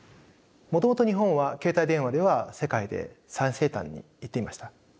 もともと日本は携帯電話では世界で最先端にいっていました。